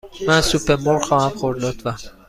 من سوپ مرغ خواهم خورد، لطفاً.